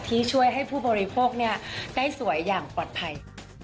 ที่ช่วยให้ผู้บริโภคได้สวยอย่างปลอดภัย